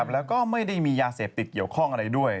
แล้วก็ไม่ได้มียาเสพติดเกี่ยวข้องอะไรด้วย